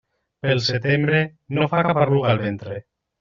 Pel setembre, no fa cap arruga el ventre.